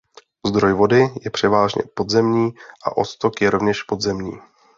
Zdroj vody je převážně podzemní a odtok je rovněž podzemní.